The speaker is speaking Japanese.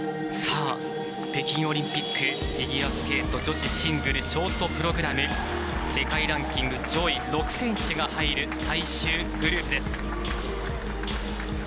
北京オリンピックフィギュアスケート女子シングルショートプログラム世界ランキング上位６選手が入る最終グループです。